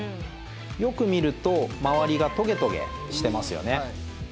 よく見ると周りがトゲトゲしてますよね